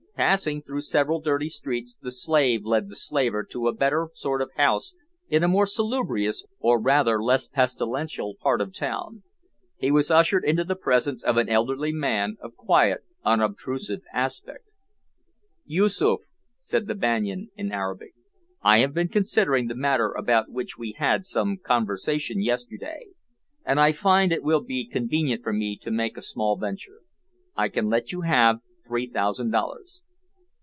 Passing through several dirty streets the slave led the slaver to a better sort of house in a more salubrious or, rather, less pestilential, part of the town. He was ushered into the presence of an elderly man of quiet, unobtrusive aspect. "Yoosoof," said the Banyan in Arabic, "I have been considering the matter about which we had some conversation yesterday, and I find that it will be convenient for me to make a small venture. I can let you have three thousand dollars."